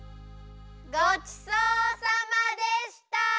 ごちそうさまでした！